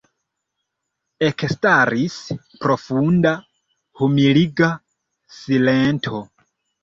Ekstaris profunda, humiliga silento.